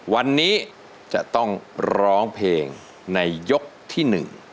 วันนี้จะต้องร้องเพลงในยกที่๑